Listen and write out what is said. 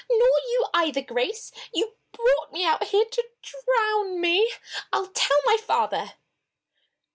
Nor you, either, Grace! You brought me out here to drown me! I'll tell my father!"